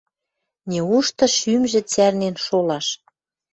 Неужты шӱмжӹ цӓрнен шолаш?